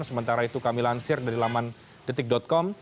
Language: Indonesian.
sementara itu kami lansir dari laman detik com